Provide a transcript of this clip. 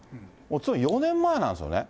つい４年前なんですよね。